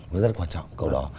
nó rất quan trọng câu đó